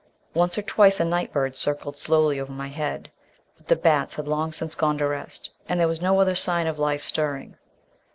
Once or twice a night bird circled swiftly over my head, but the bats had long since gone to rest, and there was no other sign of life stirring.